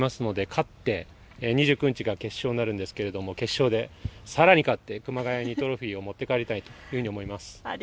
勝って２９日が決勝になるんですけれど決勝でさらに勝って熊谷にトロフィーを持って帰りたいと思います。